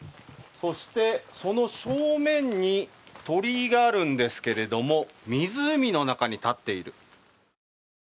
そしてその正面に鳥居があるんですけれども、湖の中に立っている。